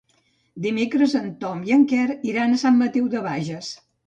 Dimecres en Tom i en Quer iran a Sant Mateu de Bages.